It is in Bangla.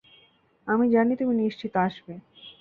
আমি জানি তুমি নিশ্চিত আসবে।